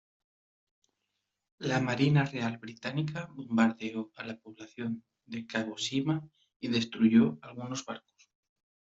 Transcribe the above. La Marina Real Británica bombardeó a la población de Kagoshima y destruyó algunos barcos.